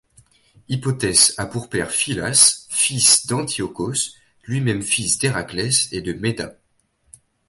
Hippotès a pour père Phylas, fils d'Antiochos, lui-même fils d'Héraclès et de Meda.